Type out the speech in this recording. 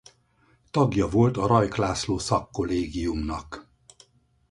Tagja volt a Rajk László Szakkollégiumnak.